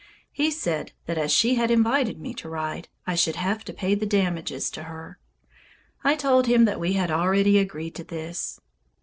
He said that as she had invited me to ride I should have to pay the damages to her. I told him that we had already agreed to this.